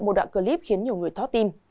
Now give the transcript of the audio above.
một đoạn clip khiến nhiều người thoát tim